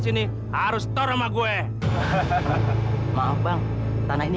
kita hog bersama saling memain